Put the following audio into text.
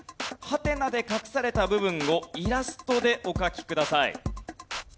ハテナで隠された部分をイラストでお描きください。